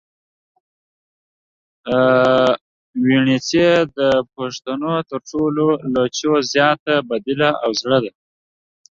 وڼېڅي د پښتو تر ټولو لهجو زیاته بدله او زړه ده